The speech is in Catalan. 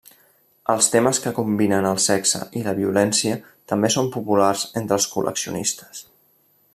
Els temes que combinen el sexe i la violència també són populars entre els col·leccionistes.